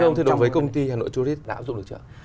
thưa ông thì đối với công ty hà nội tourist đã áp dụng được chưa